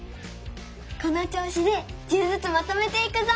このちょうしで１０ずつまとめていくぞ！